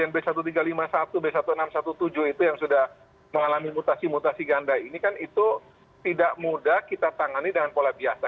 b seribu tiga ratus lima puluh satu b seribu enam ratus tujuh belas itu yang sudah mengalami mutasi mutasi ganda ini kan itu tidak mudah kita tangani dengan pola biasa